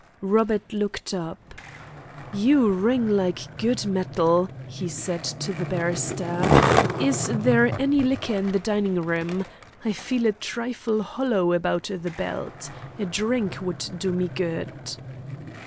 Robert looked up. "You ring like good metal," he said to the barrister. "Is there any liquor in the dining room? I feel a trifle hollow about the belt. A drink would do me good."